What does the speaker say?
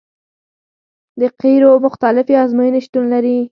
د قیرو مختلفې ازموینې شتون لري